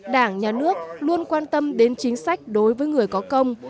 đảng nhà nước luôn quan tâm đến chính sách đối với người có công